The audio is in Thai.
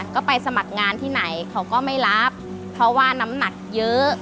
ก็ไปสมัครงานที่ไหนเขาก็ไม่รับเพราะว่าน้ำหนักเยอะ